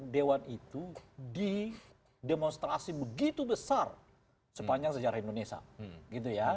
dewan itu di demonstrasi begitu besar sepanjang sejarah indonesia